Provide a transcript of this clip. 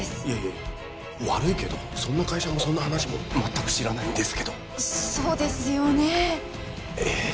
いやいや悪いけどそんな会社もそんな話も全く知らないんですけどそうですよねええ？